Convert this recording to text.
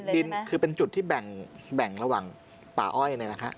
ดินคือเป็นจุดที่แบ่งระหว่างป่าอ้อย